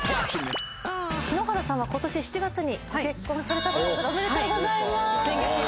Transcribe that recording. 篠原さんは今年７月にご結婚されたということでおめでとうございます